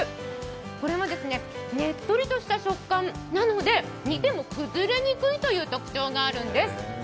これはねっとりした食感なので煮ても崩れにくいという特徴があるんです。